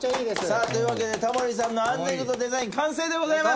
さあというわけでタモリさんの安全靴のデザイン完成でございます！